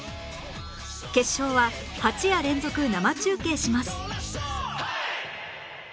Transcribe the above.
決勝は８夜連続生中継します